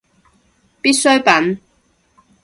必需品